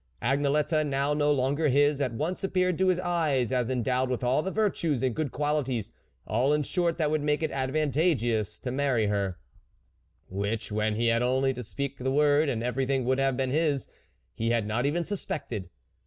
Agnelette, now no longer his, at once appeared to his eyes as endowed with all the virtues and good qualities, all in short that would make it advantageous to marry her, THE WOLF LEADER 75 which, when he had only to speak the word and everything would have been his, he had not even suspected.